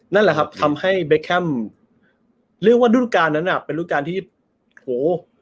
นั่นแหละครับทำให้เบคแคมเรียกว่ารุ่นการนั้นอ่ะเป็นรุ่นการที่โห